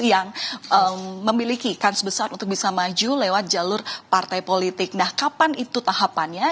yang memiliki kans besar untuk bisa maju lewat jalur partai politik nah kapan itu tahapannya